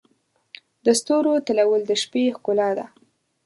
د ستورو تلؤل د شپې ښکلا ده.